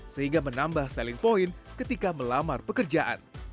sehingga menambah selling point ketika melamar pekerjaan